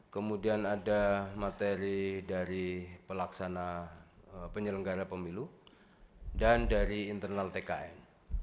kemudian ada materi dari pelaksana penyelenggara pemilu dan dari internal tkn